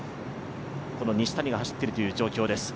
この西谷が走っているという状況です。